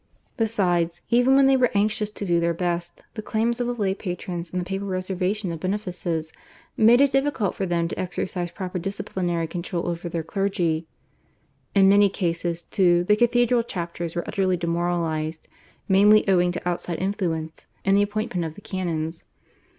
Besides, even when they were anxious to do their best, the claims of the lay patrons and the papal reservation of benefices made it difficult for them to exercise proper disciplinary control over their clergy. In many cases, too, the cathedral chapters were utterly demoralised, mainly owing to outside influence in the appointment of the canons.